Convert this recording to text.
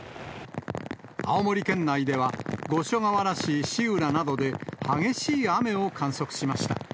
青森県内では、五所川原市市浦などで、激しい雨を観測しました。